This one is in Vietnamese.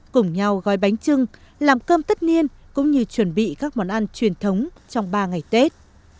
cùng nhau gói bánh trưng làm cơm tất niên cũng như chuẩn bị các món ăn truyền thống trong ba ngày tết